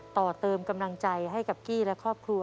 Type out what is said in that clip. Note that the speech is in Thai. ต่อเติมกำลังใจให้กับกี้และครอบครัว